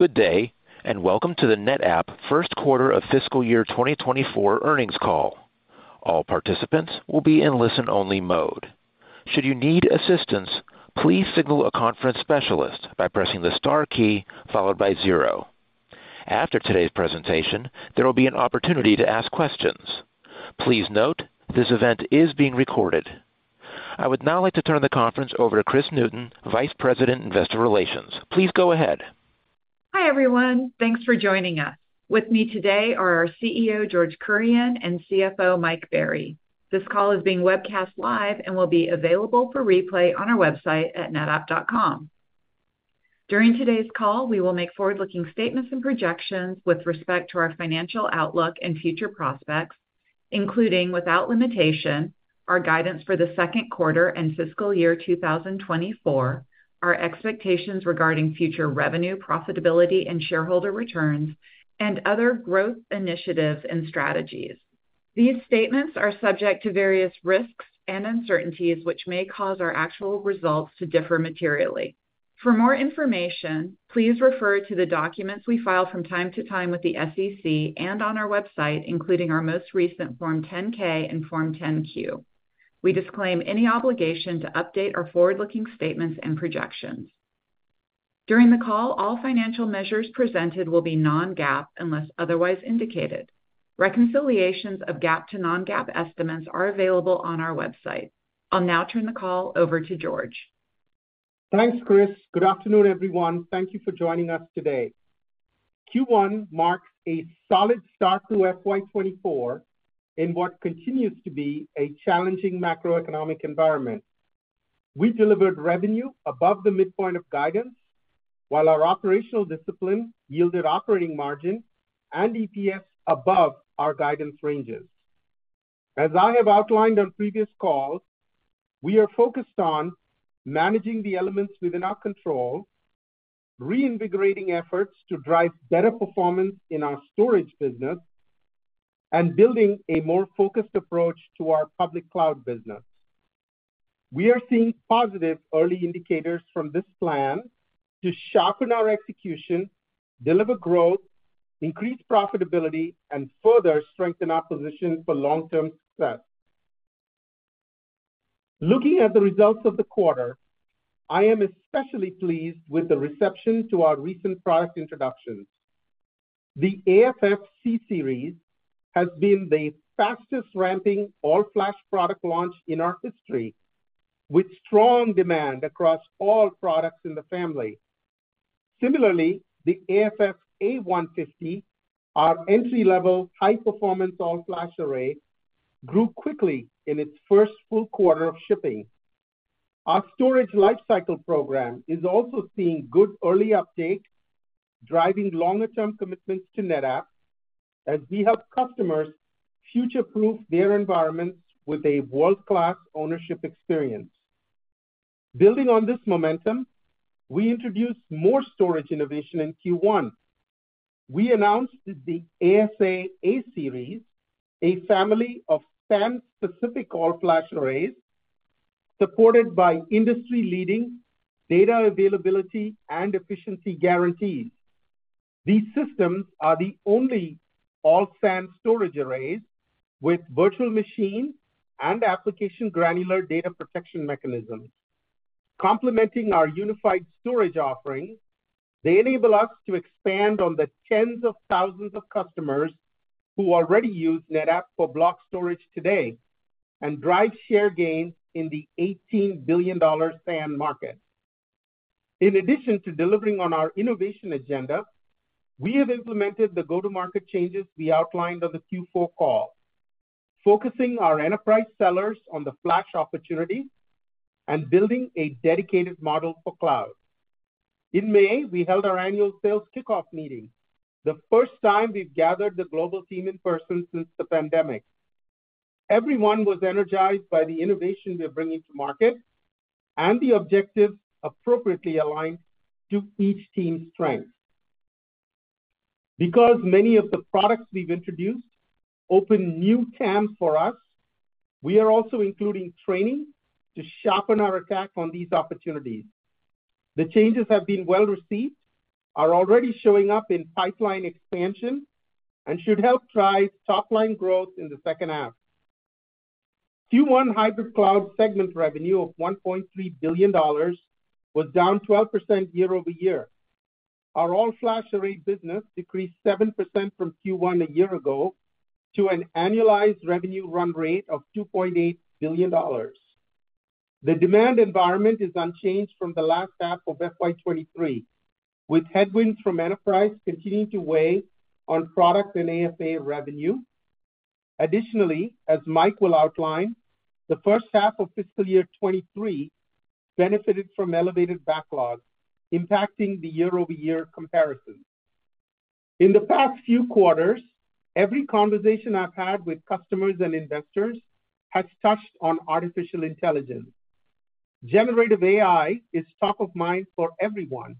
Good day, and welcome to the NetApp first quarter of fiscal year 2024 earnings call. All participants will be in listen-only mode. Should you need assistance, please signal a conference specialist by pressing the star key followed by zero. After today's presentation, there will be an opportunity to ask questions. Please note, this event is being recorded. I would now like to turn the conference over to Kris Newton, Vice President, Investor Relations. Please go ahead. Hi, everyone. Thanks for joining us. With me today are our CEO, George Kurian, and CFO, Mike Berry. This call is being webcast live and will be available for replay on our website at netapp.com. During today's call, we will make forward-looking statements and projections with respect to our financial outlook and future prospects, including without limitation, our guidance for the second quarter and fiscal year 2024, our expectations regarding future revenue, profitability and shareholder returns, and other growth initiatives and strategies. These statements are subject to various risks and uncertainties, which may cause our actual results to differ materially. For more information, please refer to the documents we file from time to time with the SEC and on our website, including our most recent Form 10-K and Form 10-Q. We disclaim any obligation to update our forward-looking statements and projections. During the call, all financial measures presented will be Non-GAAP, unless otherwise indicated. Reconciliations of GAAP to Non-GAAP estimates are available on our website. I'll now turn the call over to George. Thanks, Kris. Good afternoon, everyone. Thank you for joining us today. Q1 marks a solid start to FY 2024 in what continues to be a challenging macroeconomic environment. We delivered revenue above the midpoint of guidance, while our operational discipline yielded operating margin and EPS above our guidance ranges. As I have outlined on previous calls, we are focused on managing the elements within our control, reinvigorating efforts to drive better performance in our storage business, and building a more focused approach to our public cloud business. We are seeing positive early indicators from this plan to sharpen our execution, deliver growth, increase profitability, and further strengthen our position for long-term success. Looking at the results of the quarter, I am especially pleased with the reception to our recent product introductions. The AFF C-Series has been the fastest ramping all-flash product launch in our history, with strong demand across all products in the family. Similarly, the AFF A150, our entry-level, high-performance all-flash array, grew quickly in its first full quarter of shipping. Our storage lifecycle program is also seeing good early uptake, driving longer-term commitments to NetApp as we help customers future-proof their environments with a world-class ownership experience. Building on this momentum, we introduced more storage innovation in Q1. We announced the ASA A-Series, a family of SAN-specific all-flash arrays, supported by industry-leading data availability and efficiency guarantees. These systems are the only all-SAN storage arrays with virtual machine and application granular data protection mechanisms. Complementing our unified storage offerings, they enable us to expand on the tens of thousands of customers who already use NetApp for block storage today and drive share gains in the $18 billion SAN market. In addition to delivering on our innovation agenda, we have implemented the go-to-market changes we outlined on the Q4 call, focusing our enterprise sellers on the flash opportunity and building a dedicated model for cloud. In May, we held our annual sales kickoff meeting, the first time we've gathered the global team in person since the pandemic. Everyone was energized by the innovation we're bringing to market and the objectives appropriately aligned to each team's strength. Because many of the products we've introduced open new TAMs for us, we are also including training to sharpen our attack on these opportunities. The changes have been well received, are already showing up in pipeline expansion, and should help drive top-line growth in the second half. Q1 hybrid cloud segment revenue of $1.3 billion was down 12% year-over-year. Our all-flash array business decreased 7% from Q1 a year ago to an annualized revenue run rate of $2.8 billion. The demand environment is unchanged from the last half of FY 2023, with headwinds from enterprise continuing to weigh on product and ASA revenue. Additionally, as Mike will outline, the first half of fiscal year 2023 benefited from elevated backlogs, impacting the year-over-year comparison. In the past few quarters, every conversation I've had with customers and investors has touched on artificial intelligence. Generative AI is top of mind for everyone.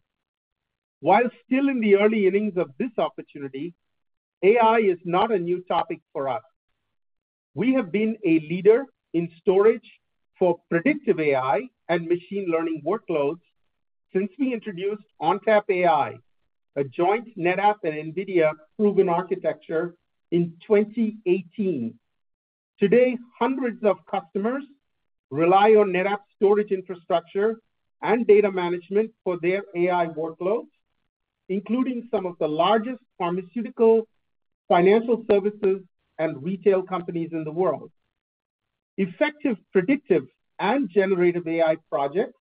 While still in the early innings of this opportunity, AI is not a new topic for us. We have been a leader in storage for predictive AI and machine learning workloads since we introduced ONTAP AI, a joint NetApp and NVIDIA proven architecture, in 2018. Today, hundreds of customers rely on NetApp storage infrastructure and data management for their AI workloads, including some of the largest pharmaceutical, financial services, and retail companies in the world. Effective predictive and generative AI projects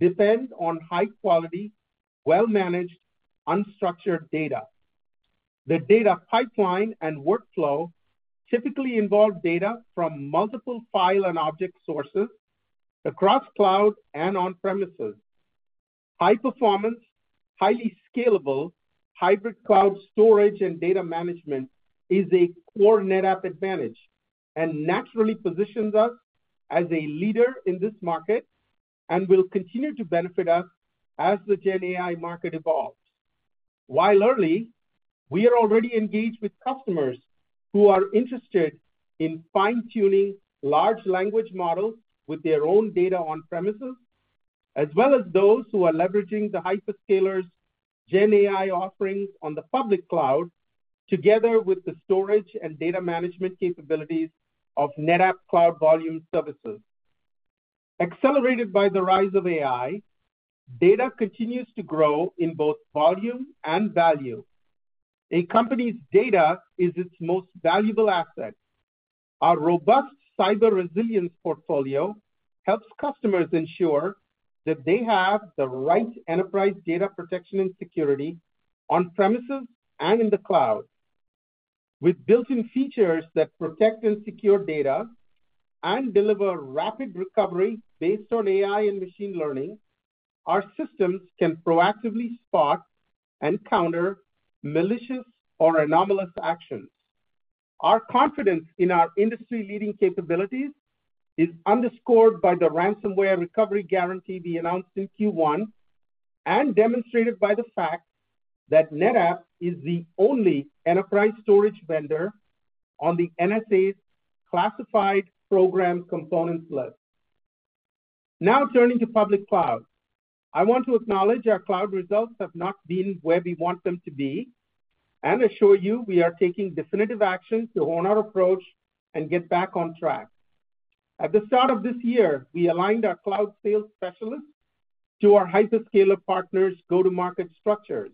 depend on high-quality, well-managed, unstructured data. The data pipeline and workflow typically involve data from multiple file and object sources across cloud and on-premises. High performance, highly scalable, hybrid cloud storage and data management is a core NetApp advantage, and naturally positions us as a leader in this market, and will continue to benefit us as the GenAI market evolves. While early, we are already engaged with customers who are interested in fine-tuning large language models with their own data on-premises, as well as those who are leveraging the hyperscalers' GenAI offerings on the public cloud, together with the storage and data management capabilities of NetApp Cloud Volumes Service. Accelerated by the rise of AI, data continues to grow in both volume and value. A company's data is its most valuable asset. Our robust cyber resilience portfolio helps customers ensure that they have the right enterprise data protection and security on-premises and in the cloud. With built-in features that protect and secure data and deliver rapid recovery based on AI and machine learning, our systems can proactively spot and counter malicious or anomalous actions. Our confidence in our industry-leading capabilities is underscored by the ransomware recovery guarantee we announced in Q1, and demonstrated by the fact that NetApp is the only enterprise storage vendor on the NSA's classified program components list. Now, turning to public cloud. I want to acknowledge our cloud results have not been where we want them to be, and assure you we are taking definitive actions to hone our approach and get back on track. At the start of this year, we aligned our cloud sales specialists to our hyperscaler partners' go-to-market structures.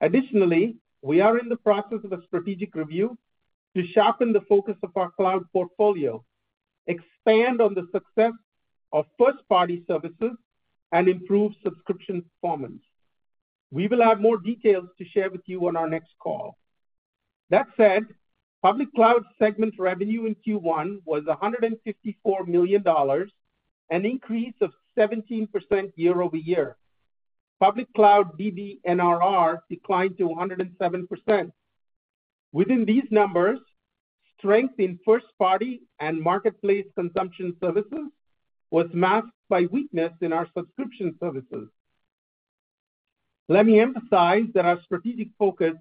Additionally, we are in the process of a strategic review to sharpen the focus of our cloud portfolio, expand on the success of first-party services, and improve subscription performance. We will have more details to share with you on our next call. That said, public cloud segment revenue in Q1 was $154 million, an increase of 17% year-over-year. Public cloud DB NRR declined to 107%. Within these numbers, strength in first-party and marketplace consumption services was masked by weakness in our subscription services. Let me emphasize that our strategic focus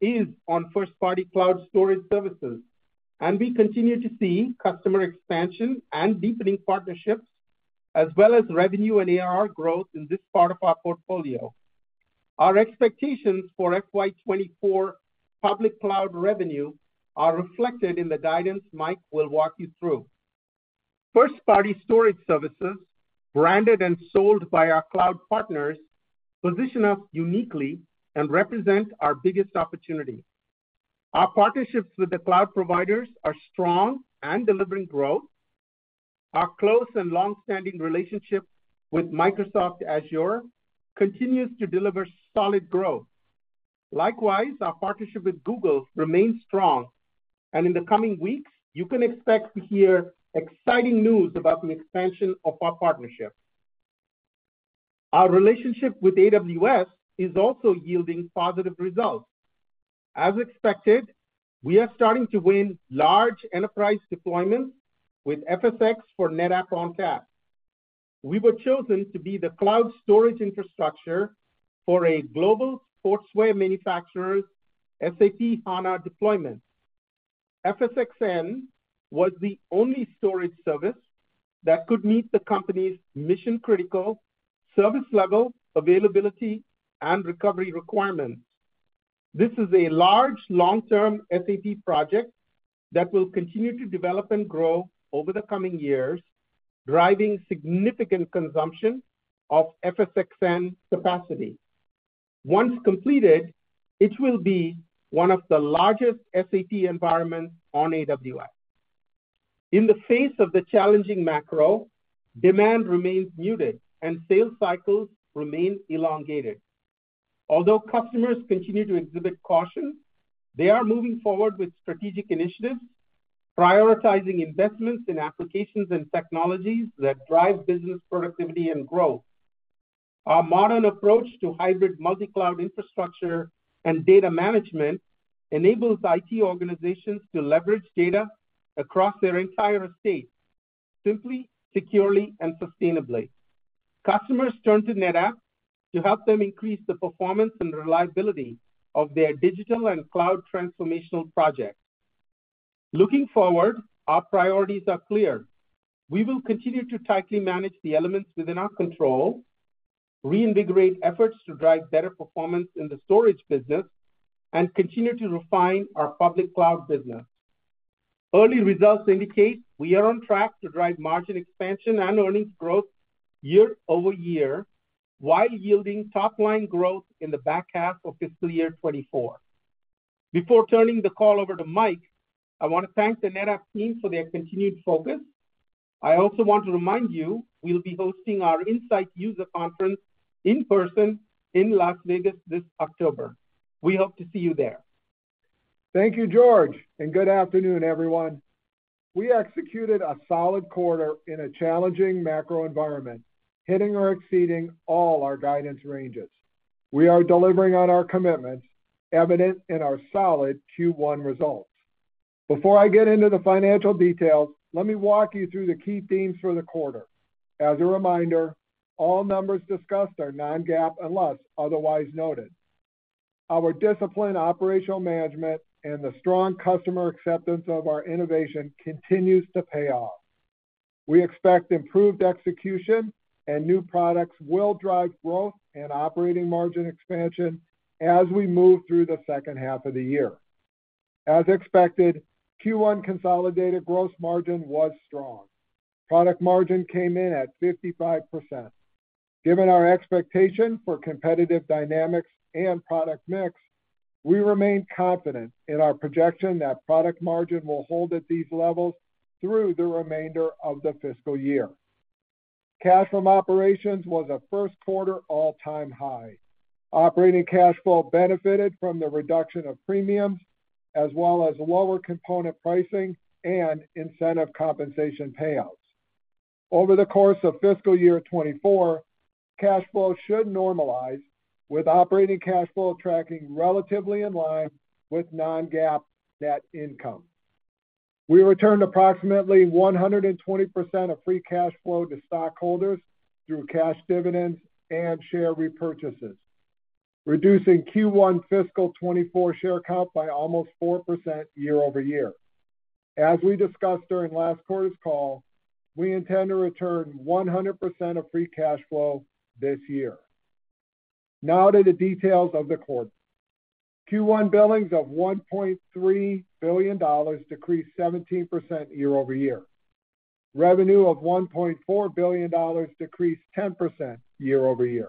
is on first-party cloud storage services, and we continue to see customer expansion and deepening partnerships, as well as revenue and ARR growth in this part of our portfolio. Our expectations for FY 2024 public cloud revenue are reflected in the guidance Mike will walk you through. First-party storage services, branded and sold by our cloud partners, position us uniquely and represent our biggest opportunity. Our partnerships with the cloud providers are strong and delivering growth. Our close and long-standing relationship with Microsoft Azure continues to deliver solid growth. Likewise, our partnership with Google remains strong, and in the coming weeks, you can expect to hear exciting news about an expansion of our partnership. Our relationship with AWS is also yielding positive results. As expected, we are starting to win large enterprise deployments with FSx for NetApp ONTAP. We were chosen to be the cloud storage infrastructure for a global sportswear manufacturer's SAP HANA deployment. FSxN was the only storage service that could meet the company's mission-critical service level, availability, and recovery requirements. This is a large, long-term SAP project that will continue to develop and grow over the coming years, driving significant consumption of FSxN capacity. Once completed, it will be one of the largest SAP environments on AWS. In the face of the challenging macro, demand remains muted and sales cycles remain elongated. Although customers continue to exhibit caution, they are moving forward with strategic initiatives, prioritizing investments in applications and technologies that drive business productivity and growth. Our modern approach to hybrid multi-cloud infrastructure and data management enables IT organizations to leverage data across their entire estate, simply, securely, and sustainably. Customers turn to NetApp to help them increase the performance and reliability of their digital and cloud transformational projects. Looking forward, our priorities are clear. We will continue to tightly manage the elements within our control, reinvigorate efforts to drive better performance in the storage business, and continue to refine our public cloud business. Early results indicate we are on track to drive margin expansion and earnings growth year-over-year, while yielding top-line growth in the back half of fiscal year 2024. Before turning the call over to Mike, I want to thank the NetApp team for their continued focus. I also want to remind you, we'll be hosting our Insight user conference in person in Las Vegas this October. We hope to see you there. Thank you, George, and good afternoon, everyone. We executed a solid quarter in a challenging macro environment, hitting or exceeding all our guidance ranges. We are delivering on our commitments, evident in our solid Q1 results. Before I get into the financial details, let me walk you through the key themes for the quarter. As a reminder, all numbers discussed are Non-GAAP, unless otherwise noted. Our disciplined operational management and the strong customer acceptance of our innovation continues to pay off. We expect improved execution and new products will drive growth and operating margin expansion as we move through the second half of the year. As expected, Q1 consolidated gross margin was strong. Product margin came in at 55%. Given our expectation for competitive dynamics and product mix, we remain confident in our projection that product margin will hold at these levels through the remainder of the fiscal year. Cash from operations was a first quarter all-time high. Operating cash flow benefited from the reduction of premiums, as well as lower component pricing and incentive compensation payouts. Over the course of fiscal year 2024, cash flow should normalize, with operating cash flow tracking relatively in line with Non-GAAP net income. We returned approximately 120% of free cash flow to stockholders through cash dividends and share repurchases, reducing Q1 fiscal 2024 share count by almost 4% year-over-year. As we discussed during last quarter's call, we intend to return 100% of free cash flow this year. Now to the details of the quarter. Q1 billings of $1.3 billion decreased 17% year-over-year. Revenue of $1.4 billion decreased 10% year-over-year.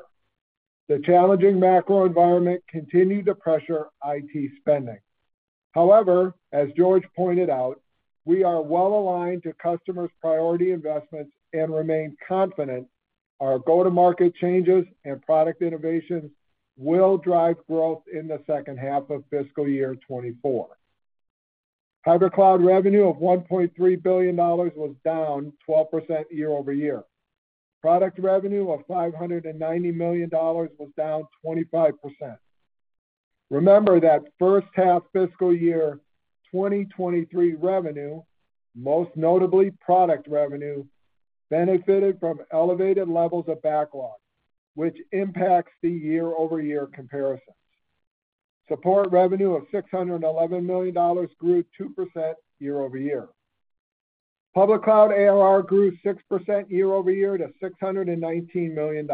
The challenging macro environment continued to pressure IT spending. However, as George pointed out, we are well aligned to customers' priority investments and remain confident our go-to-market changes and product innovations will drive growth in the second half of fiscal year 2024. Hybrid cloud revenue of $1.3 billion was down 12% year-over-year. Product revenue of $590 million was down 25%. Remember that first half fiscal year 2023 revenue, most notably product revenue, benefited from elevated levels of backlog, which impacts the year-over-year comparisons. Support revenue of $611 million grew 2% year-over-year. Public cloud ARR grew 6% year-over-year to $619 million.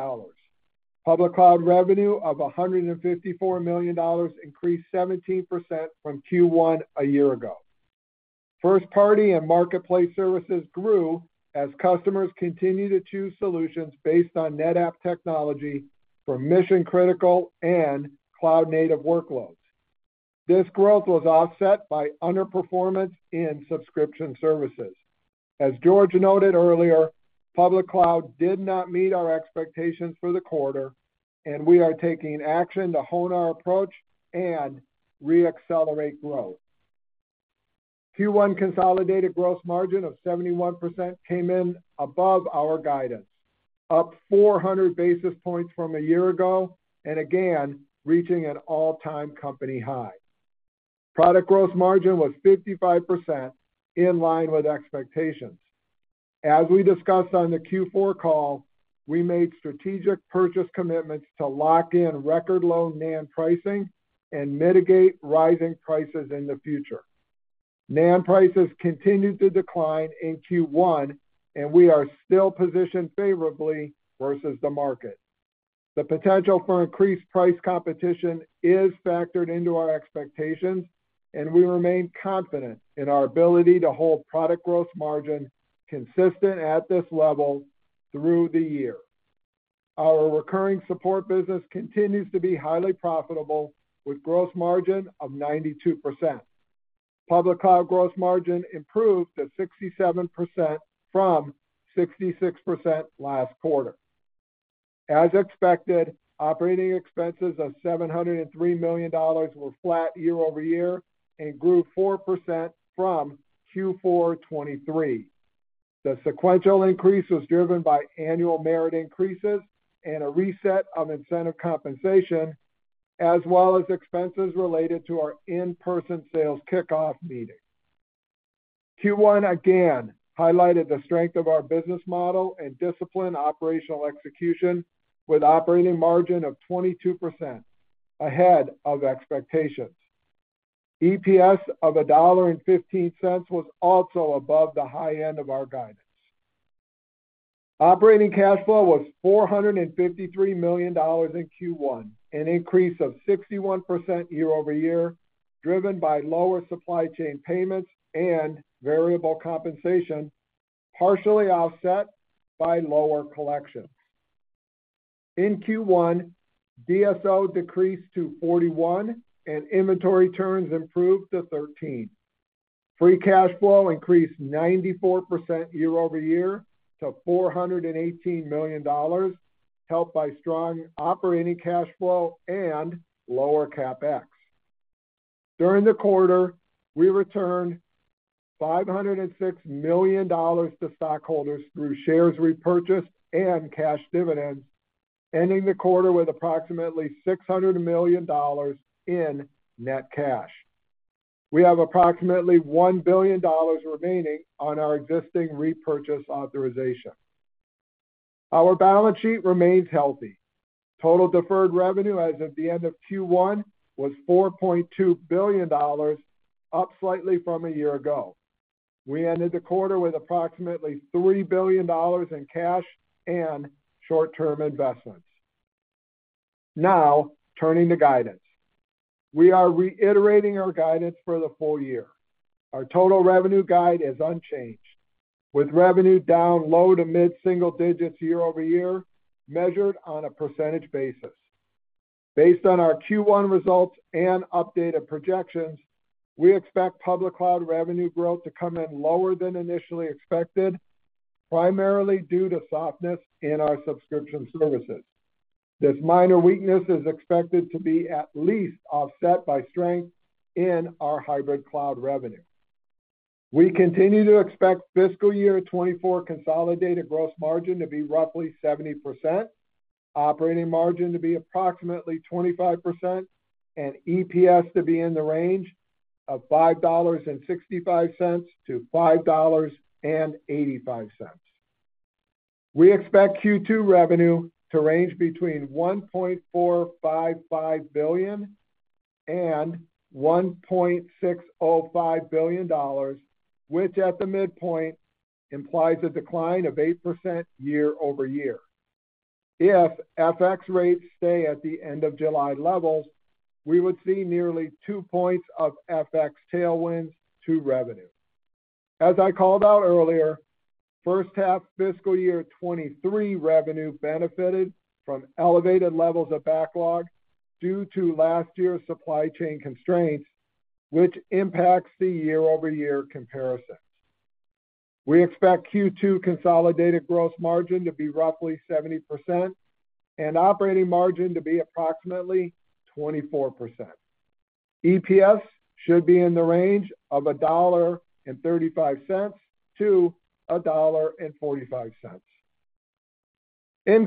Public cloud revenue of $154 million increased 17% from Q1 a year ago. First-party and marketplace services grew as customers continued to choose solutions based on NetApp technology for mission-critical and cloud-native workloads. This growth was offset by underperformance in subscription services. As George noted earlier, public cloud did not meet our expectations for the quarter, and we are taking action to hone our approach and re-accelerate growth. Q1 consolidated gross margin of 71% came in above our guidance, up 400 basis points from a year ago, and again, reaching an all-time company high. Product gross margin was 55%, in line with expectations. As we discussed on the Q4 call, we made strategic purchase commitments to lock in record-low NAND pricing and mitigate rising prices in the future. NAND prices continued to decline in Q1, and we are still positioned favorably versus the market. The potential for increased price competition is factored into our expectations, and we remain confident in our ability to hold product growth margin consistent at this level through the year. Our recurring support business continues to be highly profitable, with gross margin of 92%. Public cloud gross margin improved to 67% from 66% last quarter. As expected, operating expenses of $703 million were flat year-over-year and grew 4% from Q4 2023. The sequential increase was driven by annual merit increases and a reset of incentive compensation-... as well as expenses related to our in-person sales kickoff meeting. Q1 again highlighted the strength of our business model and disciplined operational execution, with operating margin of 22%, ahead of expectations. EPS of $1.15 was also above the high end of our guidance. Operating cash flow was $453 million in Q1, an increase of 61% year-over-year, driven by lower supply chain payments and variable compensation, partially offset by lower collections. In Q1, DSO decreased to 41, and inventory turns improved to 13. Free cash flow increased 94% year-over-year to $418 million, helped by strong operating cash flow and lower CapEx. During the quarter, we returned $506 million to stockholders through shares repurchased and cash dividends, ending the quarter with approximately $600 million in net cash. We have approximately $1 billion remaining on our existing repurchase authorization. Our balance sheet remains healthy. Total deferred revenue as of the end of Q1 was $4.2 billion, up slightly from a year ago. We ended the quarter with approximately $3 billion in cash and short-term investments. Now, turning to guidance. We are reiterating our guidance for the full year. Our total revenue guide is unchanged, with revenue down low to mid-single digits year-over-year, measured on a percentage basis. Based on our Q1 results and updated projections, we expect public cloud revenue growth to come in lower than initially expected, primarily due to softness in our subscription services. This minor weakness is expected to be at least offset by strength in our hybrid cloud revenue. We continue to expect fiscal year 2024 consolidated gross margin to be roughly 70%, operating margin to be approximately 25%, and EPS to be in the range of $5.65-$5.85. We expect Q2 revenue to range between $1.455 billion and $1.605 billion, which at the midpoint implies a decline of 8% year-over-year. If FX rates stay at the end of July levels, we would see nearly two points of FX tailwinds to revenue. As I called out earlier, first half fiscal year 2023 revenue benefited from elevated levels of backlog due to last year's supply chain constraints, which impacts the year-over-year comparisons. We expect Q2 consolidated gross margin to be roughly 70% and operating margin to be approximately 24%. EPS should be in the range of $1.35-$1.45. In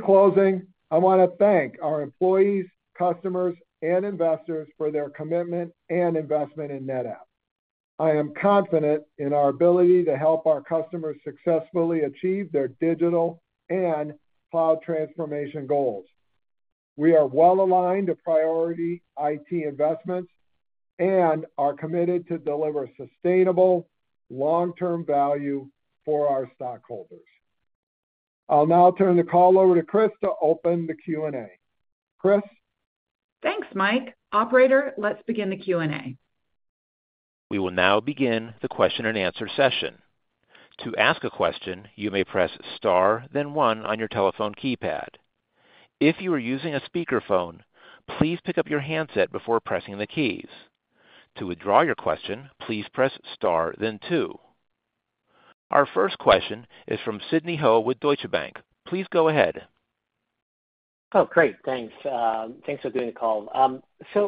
closing, I want to thank our employees, customers, and investors for their commitment and investment in NetApp. I am confident in our ability to help our customers successfully achieve their digital and cloud transformation goals. We are well aligned to priority IT investments and are committed to deliver sustainable long-term value for our stockholders. I'll now turn the call over to Khris to open the Q&A. Kris? Thanks, Mike. Operator, let's begin the Q&A. We will now begin the question-and-answer session. To ask a question, you may press star, then one on your telephone keypad. If you are using a speakerphone, please pick up your handset before pressing the keys. To withdraw your question, please press star then two. Our first question is from Sidney Ho with Deutsche Bank. Please go ahead. Oh, great, thanks. Thanks for doing the call.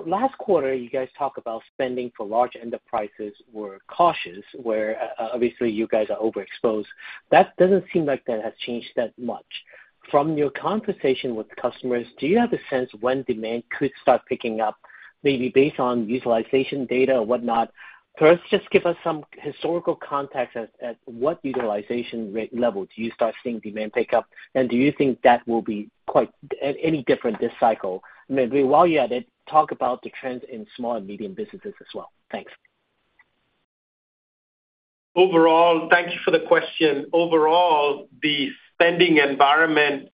Last quarter, you guys talked about spending for large enterprises were cautious, where, obviously you guys are overexposed. That doesn't seem like that has changed that much. From your conversation with customers, do you have a sense when demand could start picking up, maybe based on utilization data or whatnot? First, just give us some historical context as, as what utilization rate level do you start seeing demand pick up, and do you think that will be quite any different this cycle? Maybe while you're at it, talk about the trends in small and medium businesses as well. Thanks. Overall. Thank you for the question. Overall, the spending environment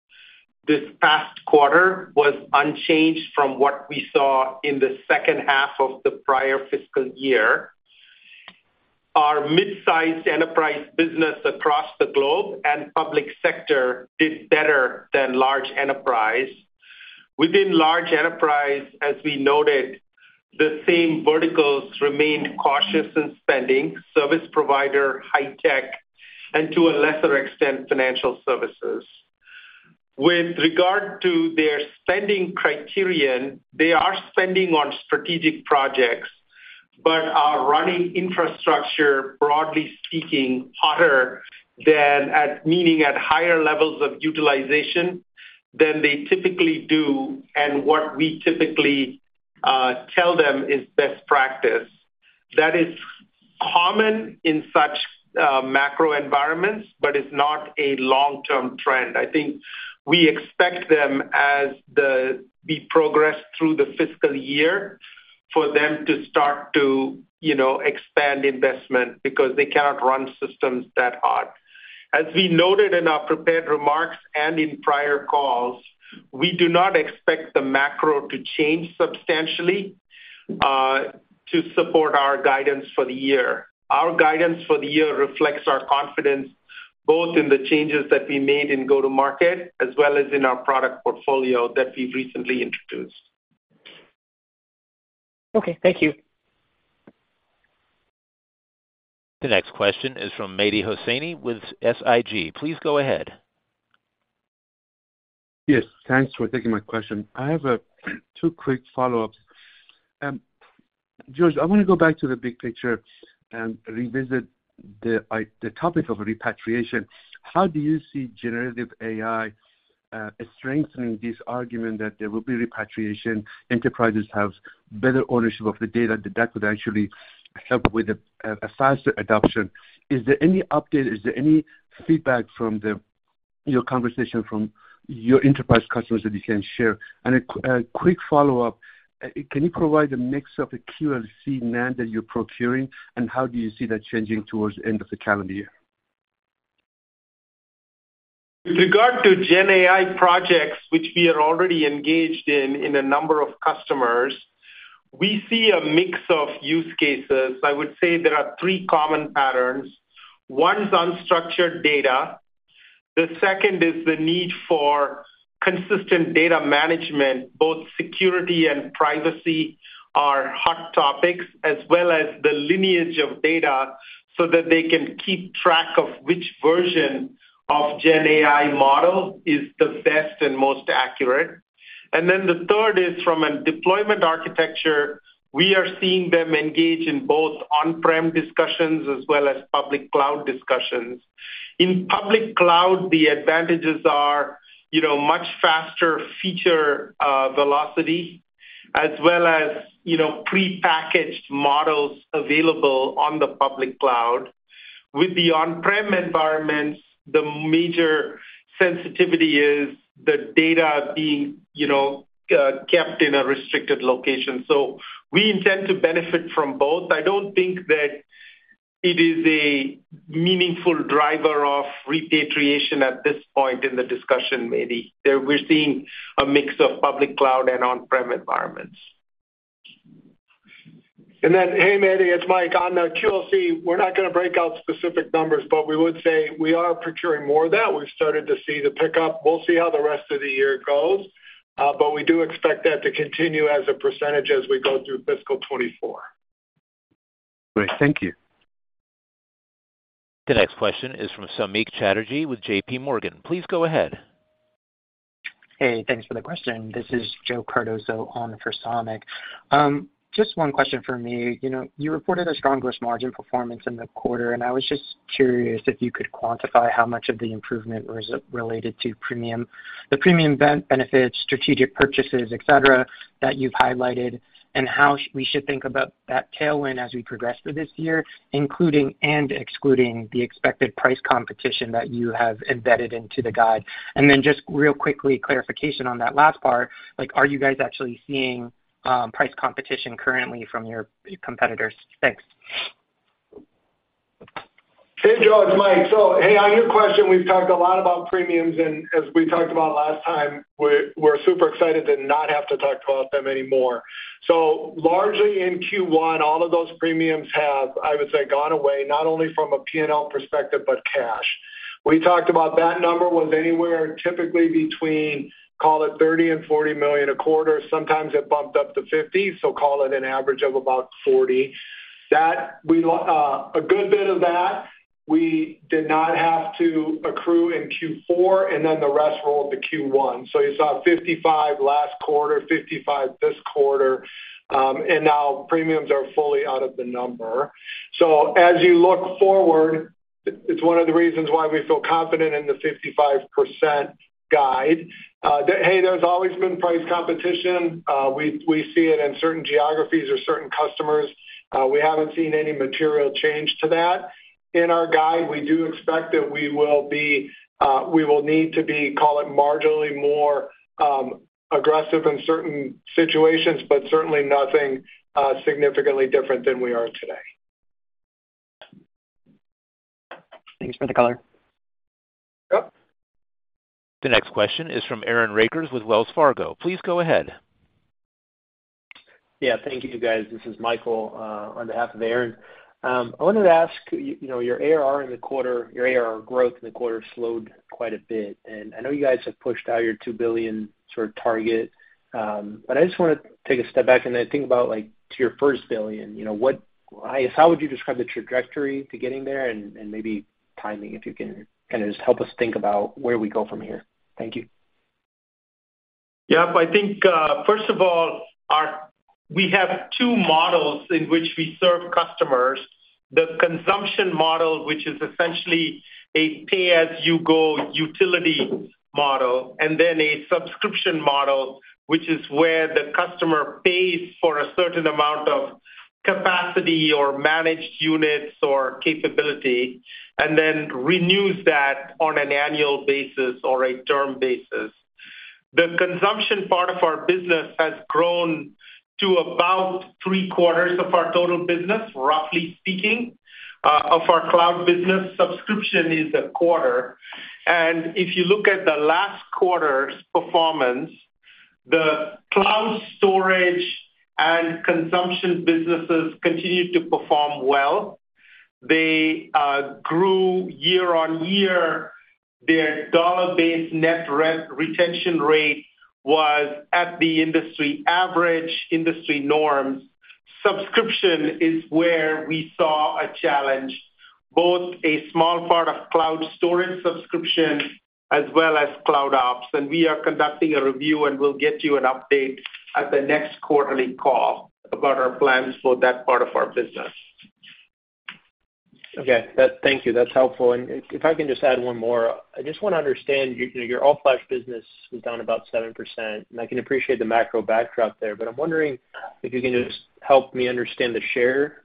this past quarter was unchanged from what we saw in the second half of the prior fiscal year. Our mid-sized enterprise business across the globe and public sector did better than large enterprise. Within large enterprise, as we noted, the same verticals remained cautious in spending: service provider, high tech, and to a lesser extent, financial services. With regard to their spending criterion, they are spending on strategic projects. Are running infrastructure, broadly speaking, hotter than at, meaning at higher levels of utilization than they typically do, and what we typically tell them is best practice. That is common in such macro environments, but it's not a long-term trend. I think we expect them as the, we progress through the fiscal year, for them to start to, you know, expand investment because they cannot run systems that hot. As we noted in our prepared remarks and in prior calls, we do not expect the macro to change substantially to support our guidance for the year. Our guidance for the year reflects our confidence, both in the changes that we made in go-to-market, as well as in our product portfolio that we've recently introduced. Okay, thank you. The next question is from Mehdi Hosseini with SIG. Please go ahead. Yes, thanks for taking my question. I have two quick follow-ups. George, I want to go back to the big picture and revisit the topic of repatriation. How do you see generative AI strengthening this argument that there will be repatriation, enterprises have better ownership of the data, that that could actually help with a faster adoption? Is there any update, is there any feedback from your conversation from your enterprise customers that you can share? A quick follow-up, can you provide a mix of the QLC NAND that you're procuring, and how do you see that changing towards the end of the calendar year? With regard to GenAI projects, which we are already engaged in, in a number of customers, we see a mix of use cases. I would say there are three common patterns. One is unstructured data. The second is the need for consistent data management. Both security and privacy are hot topics, as well as the lineage of data, so that they can keep track of which version of GenAI model is the best and most accurate. Then the third is from a deployment architecture, we are seeing them engage in both on-prem discussions as well as public cloud discussions. In public cloud, the advantages are, you know, much faster feature velocity, as well as, you know, prepackaged models available on the public cloud. With the on-prem environments, the major sensitivity is the data being, you know, kept in a restricted location. We intend to benefit from both. I don't think that it is a meaningful driver of repatriation at this point in the discussion, Mehdi. We're seeing a mix of public cloud and on-prem environments. Hey, Mehdi, it's Mike. On the QLC, we're not going to break out specific numbers, but we would say we are procuring more of that. We've started to see the pickup. We'll see how the rest of the year goes, but we do expect that to continue as a percentage as we go through fiscal 2024. Great. Thank you. The next question is from Samik Chatterjee with JPMorgan. Please go ahead. Hey, thanks for the question. This is Joe Cardoso on for Samik. Just one question from me. You know, you reported a strong gross margin performance in the quarter, and I was just curious if you could quantify how much of the improvement was related to premium, the premium benefits, strategic purchases, et cetera, that you've highlighted, and how we should think about that tailwind as we progress through this year, including and excluding the expected price competition that you have embedded into the guide. And then just real quickly, clarification on that last part, like, are you guys actually seeing price competition currently from your competitors? Thanks. Hey, George, Mike. Hey, on your question, we've talked a lot about premiums, and as we talked about last time, we're, we're super excited to not have to talk about them anymore. Largely in Q1, all of those premiums have, I would say, gone away, not only from a P&L perspective, but cash. We talked about that number was anywhere typically between, call it $30 million and $40 million a quarter, sometimes it bumped up to $50 million, call it an average of about $40 million. That we lo- a good bit of that, we did not have to accrue in Q4, and then the rest rolled to Q1. You saw $55 last quarter, $55 this quarter, and now premiums are fully out of the number. As you look forward, it's one of the reasons why we feel confident in the 55% guide. Hey, there's always been price competition. We, we see it in certain geographies or certain customers. We haven't seen any material change to that. In our guide, we do expect that we will be, we will need to be, call it, marginally more aggressive in certain situations. Certainly nothing significantly different than we are today. Thanks for the color. Yep. The next question is from Aaron Rakers with Wells Fargo. Please go ahead. Yeah, thank you, guys. This is Michael, on behalf of Aaron. I wanted to ask, you know, your ARR in the quarter, your ARR growth in the quarter slowed quite a bit, I know you guys have pushed out your $2 billion sort of target, I just want to take a step back and then think about, like, to your first billion, you know, what... I, how would you describe the trajectory to getting there and maybe timing, if you can kind of just help us think about where we go from here? Thank you. Yep, I think, first of all, we have two models in which we serve customers. The consumption model, which is essentially a pay-as-you-go utility model, and then a subscription model, which is where the customer pays for a certain amount of capacity or managed units or capability, and then renews that on an annual basis or a term basis. The consumption part of our business has grown to about 3 quarters of our total business, roughly speaking, of our cloud business. Subscription is 1 quarter. If you look at the last quarter's performance, the cloud storage and consumption businesses continued to perform well. They grew year-over-year. Their dollar-based net retention rate was at the industry average, industry norms. Subscription is where we saw a challenge, both a small part of cloud storage subscription as well as cloud ops, and we are conducting a review, and we'll get you an update at the next quarterly call about our plans for that part of our business. Okay, that. Thank you. That's helpful. If I can just add one more. I just want to understand, your, you know, your all flash business was down about 7%, and I can appreciate the macro backdrop there. I'm wondering if you can just help me understand the share,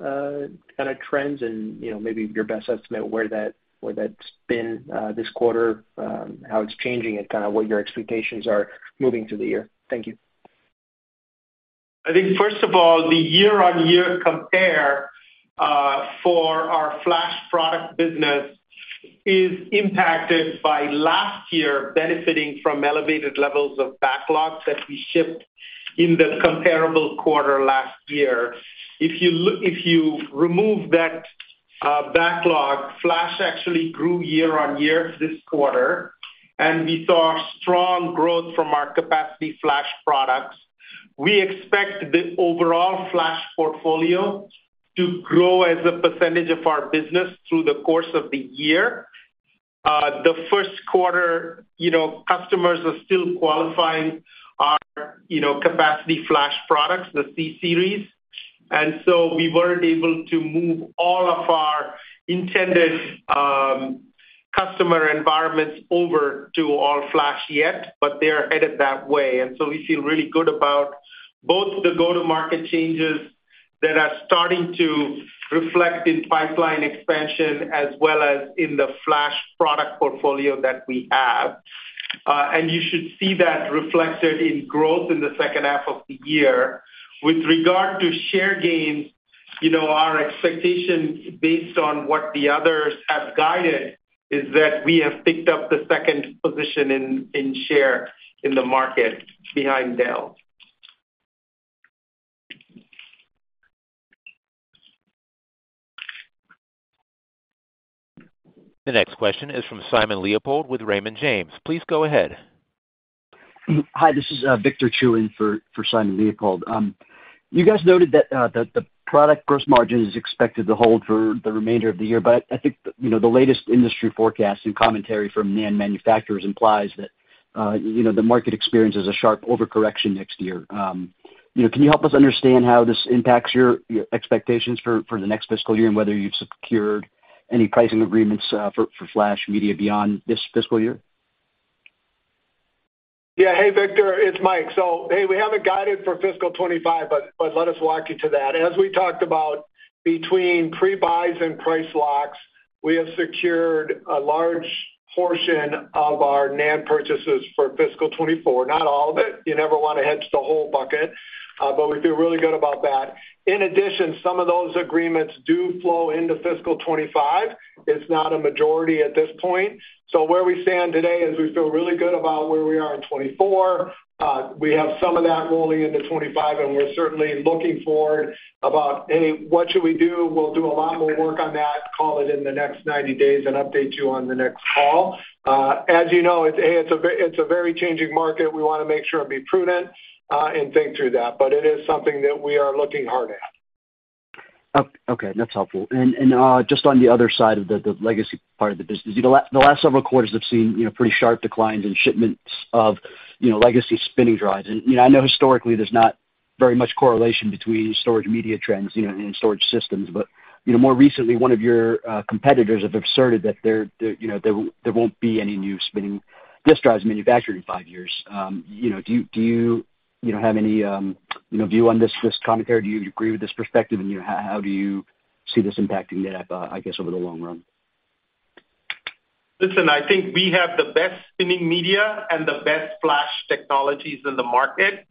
kind of trends and, you know, maybe your best estimate where that's been this quarter, how it's changing, and kind of what your expectations are moving through the year. Thank you. I think, first of all, the year-on-year compare for our Flash product business is impacted by last year benefiting from elevated levels of backlogs that we shipped in the comparable quarter last year. If you remove that backlog, Flash actually grew year-on-year this quarter, and we saw strong growth from our capacity Flash products. We expect the overall Flash portfolio to grow as a percentage of our business through the course of the year. The 1st quarter, you know, customers are still qualifying our, you know, capacity Flash products, the C-Series, and so we weren't able to move all of our intended customer environments over to all-flash yet, but they are headed that way. We feel really good about both the go-to-market changes that are starting to reflect in pipeline expansion, as well as in the Flash product portfolio that we have. You should see that reflected in growth in the second half of the year. With regard to share gains, you know, our expectation, based on what the others have guided, is that we have picked up the second position in, in share in the market behind Dell. The next question is from Simon Leopold with Raymond James. Please go ahead. Hi, this is Victor Chiu in for Simon Leopold. You guys noted that the product gross margin is expected to hold for the remainder of the year. I think, you know, the latest industry forecast and commentary from NAND manufacturers implies that, you know, the market experiences a sharp overcorrection next year. You know, can you help us understand how this impacts your expectations for the next fiscal year, and whether you've secured any pricing agreements for Flash media beyond this fiscal year? Yeah. Hey, Victor, it's Mike. Hey, we haven't guided for fiscal 2025, but let us walk you to that. As we talked about between pre-buys and price locks, we have secured a large portion of our NAND purchases for fiscal 2024. Not all of it. You never want to hedge the whole bucket, but we feel really good about that. In addition, some of those agreements do flow into fiscal 2025. It's not a majority at this point. Where we stand today is we feel really good about where we are in 2024. We have some of that rolling into 2025, and we're certainly looking forward about, A, what should we do? We'll do a lot more work on that, call it in the next 90 days, and update you on the next call. As you know, it's a, it's a very changing market. We want to make sure and be prudent, and think through that, but it is something that we are looking hard at. Okay, that's helpful. Just on the other side of the, the legacy part of the business, you know, the last several quarters have seen, you know, pretty sharp declines in shipments of, you know, legacy spinning drives. You know, I know historically there's not very much correlation between storage media trends, you know, and storage systems. You know, more recently, one of your competitors have asserted that there, there, you know, there, there won't be any new spinning disk drives manufactured in five years. You know, do you, do you, you know, have any, you know, view on this, this commentary? Do you agree with this perspective, and, you know, how do you see this impacting NetApp, I guess, over the long run? Listen, I think we have the best spinning media and the best flash technologies in the market.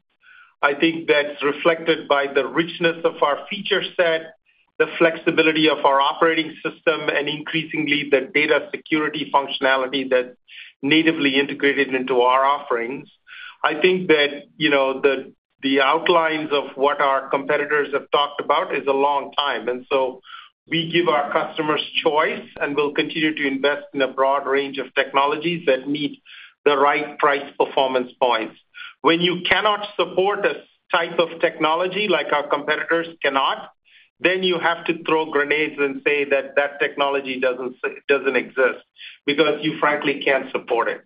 I think that's reflected by the richness of our feature set, the flexibility of our operating system, and increasingly, the data security functionality that's natively integrated into our offerings. I think that, you know, the outlines of what our competitors have talked about is a long time, and so we give our customers choice, and we'll continue to invest in a broad range of technologies that meet the right price performance points. When you cannot support a type of technology, like our competitors cannot... then you have to throw grenades and say that that technology doesn't exist, because you frankly can't support it.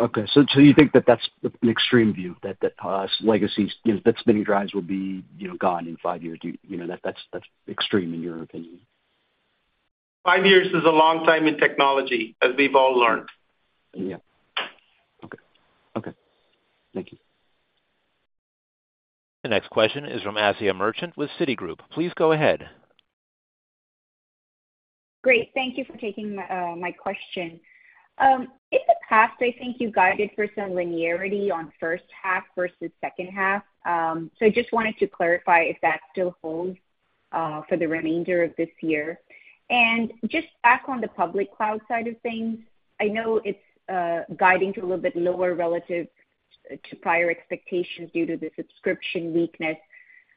Okay. You think that that's an extreme view, that, that legacy, you know, that spinning drives will be, you know, gone in five years? You know, that's extreme in your opinion. Five years is a long time in technology, as we've all learned. Yeah. Okay. Okay, thank you. The next question is from Asiya Merchant with Citigroup. Please go ahead. Great, thank you for taking my question. In the past, I think you guided for some linearity on first half versus second half. I just wanted to clarify if that still holds for the remainder of this year. Just back on the public cloud side of things, I know it's guiding to a little bit lower relative to prior expectations due to the subscription weakness.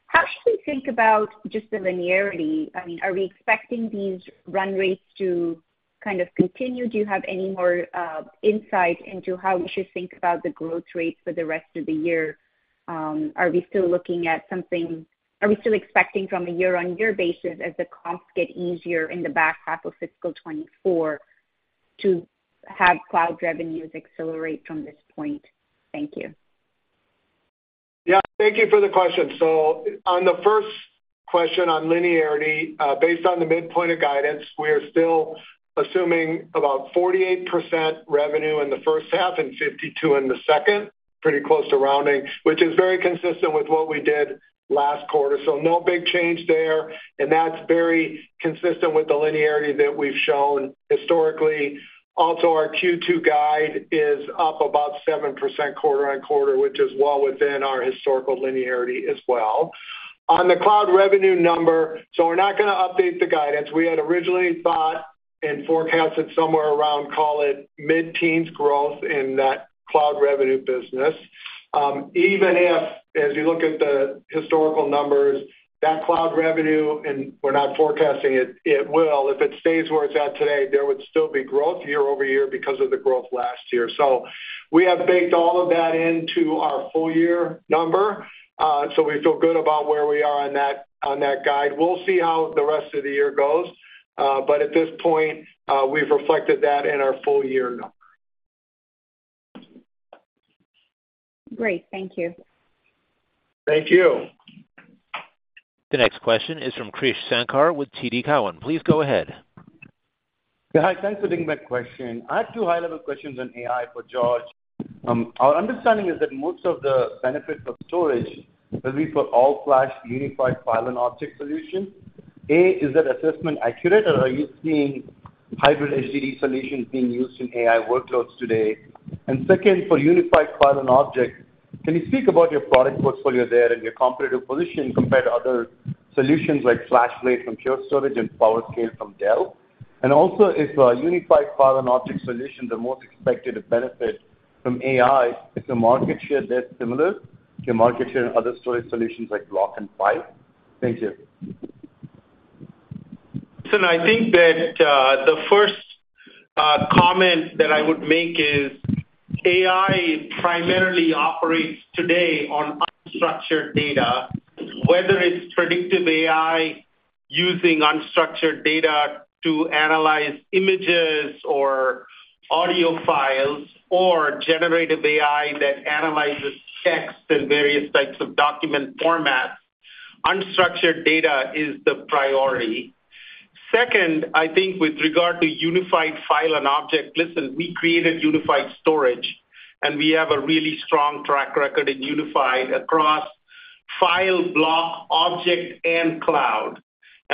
How should we think about just the linearity? I mean, are we expecting these run rates to kind of continue? Do you have any more insight into how we should think about the growth rates for the rest of the year? Are we still expecting from a year-on-year basis as the costs get easier in the back half of fiscal 2024, to have cloud revenues accelerate from this point? Thank you. Yeah, thank you for the question. On the first question on linearity, based on the midpoint of guidance, we are still assuming about 48% revenue in the first half and 52% in the second, pretty close to rounding, which is very consistent with what we did last quarter. No big change there, and that's very consistent with the linearity that we've shown historically. Also, our Q2 guide is up about 7% quarter-over-quarter, which is well within our historical linearity as well. On the cloud revenue number, we're not going to update the guidance. We had originally thought and forecasted somewhere around, call it, mid-teens growth in that cloud revenue business. Even if, as you look at the historical numbers, that cloud revenue, and we're not forecasting it, it will. If it stays where it's at today, there would still be growth year-over-year because of the growth last year. We have baked all of that into our full year number, so we feel good about where we are on that, on that guide. We'll see how the rest of the year goes, at this point, we've reflected that in our full year number. Great. Thank you. Thank you. The next question is from Krish Sankar with TD Cowen. Please go ahead. Yeah, hi, thanks for taking my question. I have two high-level questions on AI for George. Our understanding is that most of the benefits of storage will be for all-flash, unified file and object solution. Is that assessment accurate, or are you seeing hybrid HDD solutions being used in AI workloads today? Second, for unified file and object, can you speak about your product portfolio there and your competitive position compared to other solutions like FlashBlade from Pure Storage and PowerScale from Dell? Also, if a unified file and object solution, the most expected benefit from AI, is the market share there similar to market share in other storage solutions like Block and File? Thank you. Listen, I think that, the first, comment that I would make is AI primarily operates today on unstructured data. Whether it's predictive AI using unstructured data to analyze images or audio files, or generative AI that analyzes text and various types of document formats, unstructured data is the priority. Second, I think with regard to unified file and object, listen, we created unified storage, and we have a really strong track record in unified across file, block, object, and cloud.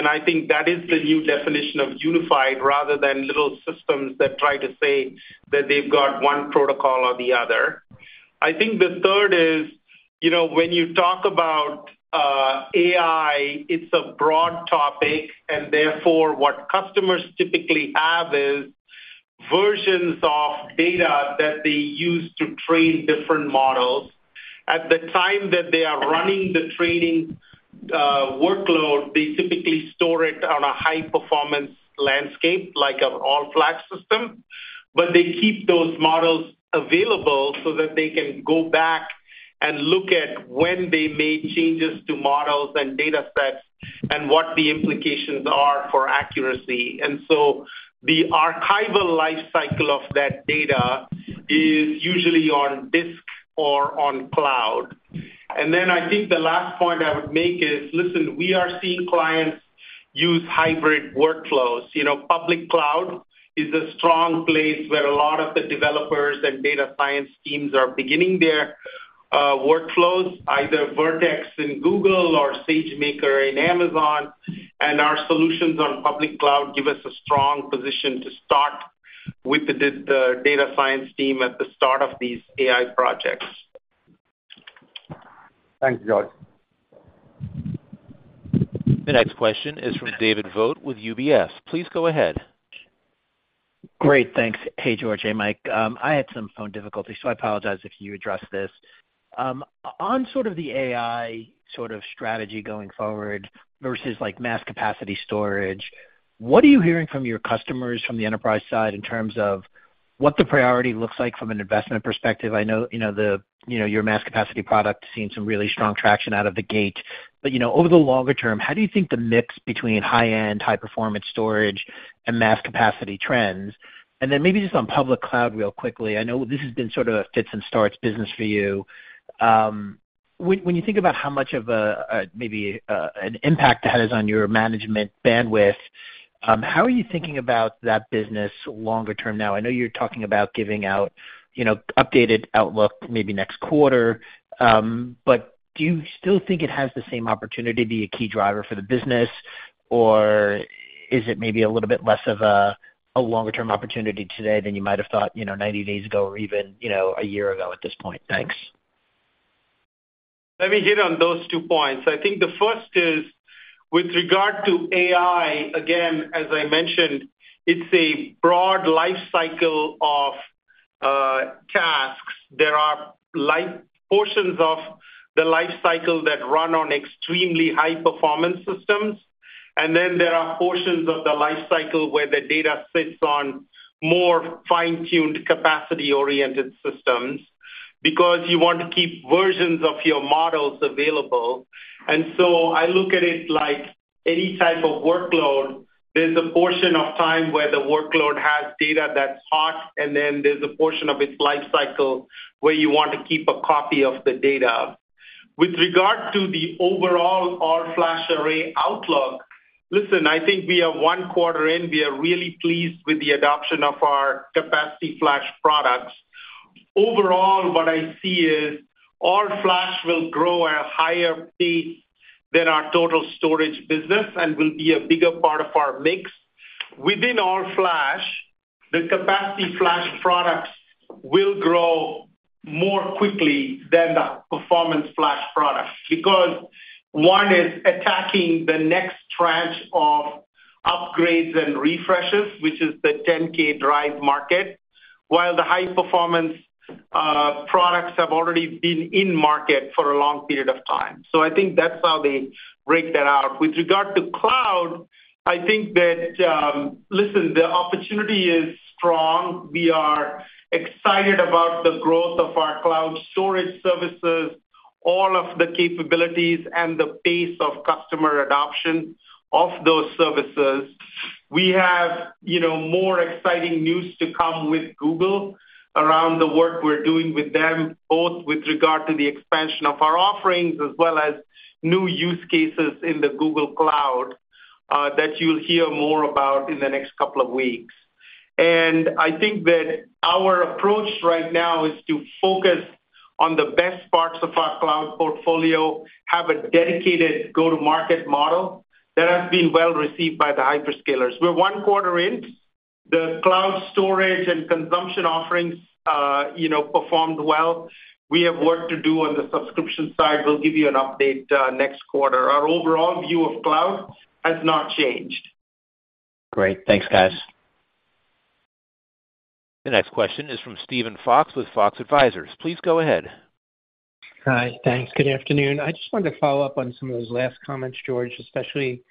I think that is the new definition of unified rather than little systems that try to say that they've got one protocol or the other. I think the third is, you know, when you talk about, AI, it's a broad topic, and therefore, what customers typically have is versions of data that they use to train different models. At the time that they are running the training workload, they typically store it on a high-performance landscape, like an all-flash system. They keep those models available so that they can go back and look at when they made changes to models and datasets and what the implications are for accuracy. So the archival life cycle of that data is usually on disk or on cloud. Then I think the last point I would make is, listen, we are seeing clients use hybrid workflows. You know, public cloud is a strong place where a lot of the developers and data science teams are beginning their workflows, either Vertex in Google or SageMaker in Amazon. Our solutions on public cloud give us a strong position to start with the data science team at the start of these AI projects. Thanks, George. The next question is from David Vogt with UBS. Please go ahead. Great, thanks. Hey, George. Hey, Mike. I had some phone difficulties, so I apologize if you addressed this. On sort of the AI sort of strategy going forward versus, like, mass capacity storage. What are you hearing from your customers from the enterprise side in terms of what the priority looks like from an investment perspective? I know, you know, the, you know, your mass capacity product has seen some really strong traction out of the gate. You know, over the longer term, how do you think the mix between high-end, high-performance storage and mass capacity trends? Maybe just on public cloud real quickly, I know this has been sort of a fits and starts business for you. When, when you think about how much of maybe, an impact it has on your management bandwidth, how are you thinking about that business longer term now? I know you're talking about giving out, you know, updated outlook maybe next quarter, but do you still think it has the same opportunity to be a key driver for the business? Or is it maybe a little bit less of a longer-term opportunity today than you might have thought, you know, 90 days ago or even, you know, one year ago at this point? Thanks. Let me hit on those two points. I think the first is with regard to AI, again, as I mentioned, it's a broad life cycle of tasks. There are portions of the life cycle that run on extremely high-performance systems, and then there are portions of the life cycle where the data sits on more fine-tuned, capacity-oriented systems because you want to keep versions of your models available. I look at it like any type of workload. There's a portion of time where the workload has data that's hot, and then there's a portion of its life cycle where you want to keep a copy of the data. With regard to the overall all-flash array outlook, listen, I think we are one quarter in. We are really pleased with the adoption of our capacity flash products. Overall, what I see is all-flash will grow at a higher pace than our total storage business and will be a bigger part of our mix. Within all-flash, the capacity flash products will grow more quickly than the performance flash products, because one is attacking the next tranche of upgrades and refreshes, which is the 10K drive market, while the high-performance products have already been in market for a long period of time. I think that's how they break that out. With regard to cloud, I think that, listen, the opportunity is strong. We are excited about the growth of our cloud storage services, all of the capabilities and the pace of customer adoption of those services. We have, you know, more exciting news to come with Google around the work we're doing with them, both with regard to the expansion of our offerings as well as new use cases in the Google Cloud that you'll hear more about in the next couple of weeks. I think that our approach right now is to focus on the best parts of our cloud portfolio, have a dedicated go-to-market model that has been well received by the hyperscalers. We're one quarter in. The cloud storage and consumption offerings, you know, performed well. We have work to do on the subscription side. We'll give you an update next quarter. Our overall view of cloud has not changed. Great. Thanks, guys. The next question is from Steven Fox with Fox Advisors. Please go ahead. Hi, thanks. Good afternoon. I just wanted to follow up on some of those last comments, George, especially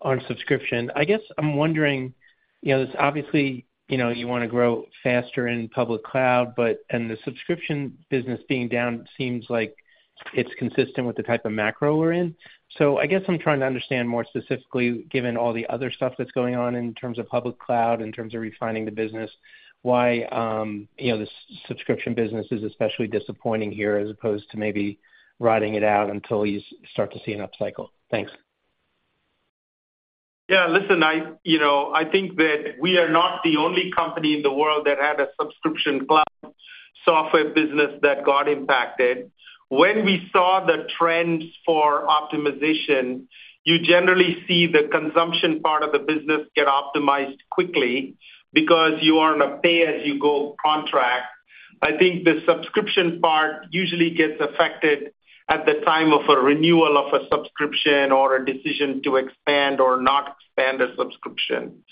on subscription. I guess I'm wondering, you know, obviously, you know, you want to grow faster in public cloud, and the subscription business being down seems like it's consistent with the type of macro we're in. I guess I'm trying to understand more specifically, given all the other stuff that's going on in terms of public cloud, in terms of refining the business, why, you know, the subscription business is especially disappointing here, as opposed to maybe riding it out until you start to see an upcycle? Thanks. Listen, I, you know, I think that we are not the only company in the world that had a subscription cloud software business that got impacted. When we saw the trends for optimization, you generally see the consumption part of the business get optimized quickly because you are on a pay-as-you-go contract. I think the subscription part usually gets affected at the time of a renewal of a subscription or a decision to expand or not expand a subscription.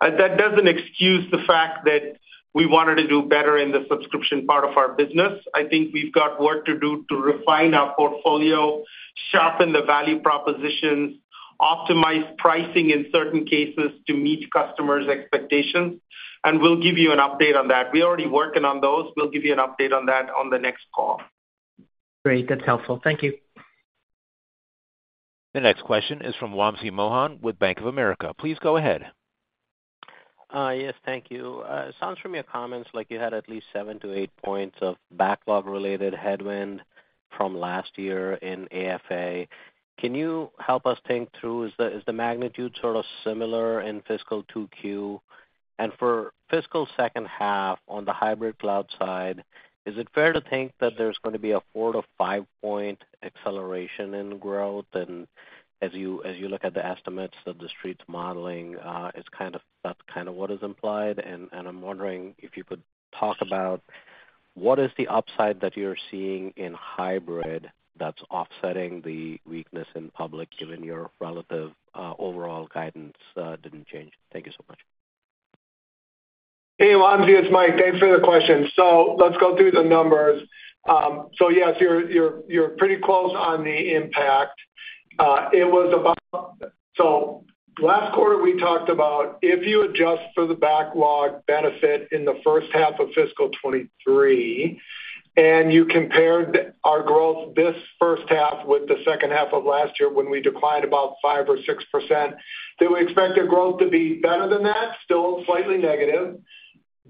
That doesn't excuse the fact that we wanted to do better in the subscription part of our business. I think we've got work to do to refine our portfolio, sharpen the value propositions, optimize pricing in certain cases to meet customers' expectations, and we'll give you an update on that. We're already working on those. We'll give you an update on that on the next call. Great. That's helpful. Thank you. The next question is from Wamsi Mohan with Bank of America. Please go ahead. Yes, thank you. It sounds from your comments like you had at least 7-8-points of backlog-related headwind from last year in AFA. Can you help us think through, is the, is the magnitude sort of similar in fiscal 2Q? For fiscal second half, on the hybrid cloud side, is it fair to think that there's going to be a 4-5-point acceleration in growth? As you, as you look at the estimates that the Street's modeling, it's kind of, that's kind of what is implied. And I'm wondering if you could talk about what is the upside that you're seeing in hybrid that's offsetting the weakness in public, given your relative, overall guidance, didn't change. Thank you so much. Hey, Wamsi, it's Mike. Thanks for the question. Let's go through the numbers. Yes, you're pretty close on the impact. It was last quarter, we talked about if you adjust for the backlog benefit in the first half of fiscal 2023, and you compared our growth this first half with the second half of last year, when we declined about 5% or 6%, then we expect their growth to be better than that, still slightly negative.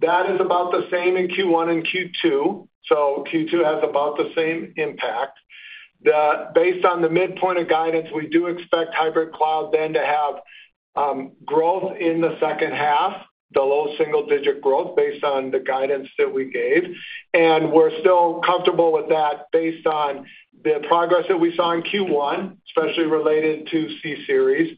That is about the same in Q1 and Q2, Q2 has about the same impact. Based on the midpoint of guidance, we do expect hybrid cloud then to have growth in the second half, the low single-digit growth, based on the guidance that we gave. We're still comfortable with that based on the progress that we saw in Q1, especially related to C-Series.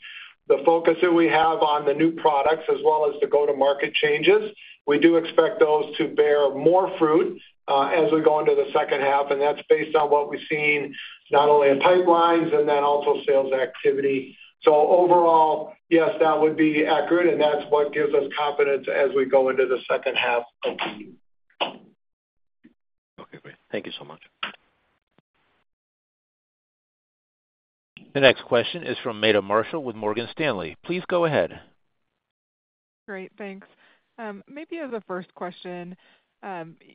The focus that we have on the new products as well as the go-to-market changes, we do expect those to bear more fruit as we go into the second half, and that's based on what we've seen not only in pipelines and then also sales activity. Overall, yes, that would be accurate, and that's what gives us confidence as we go into the second half of the year. Okay, great. Thank you so much. The next question is from Meta Marshall with Morgan Stanley. Please go ahead. Great, thanks. Maybe as a first question,